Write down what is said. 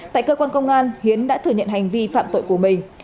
tại cơ quan công an hiến đã thừa nhận hành vi phạm tội của mình